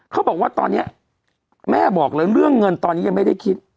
เขาบอกว่าตอนนี้แม่บอกเลยเรื่องเงินตอนนี้ยังไม่ได้คิด